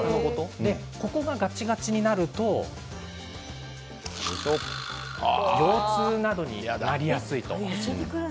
ここがガチガチになると腰痛などになりやすいと。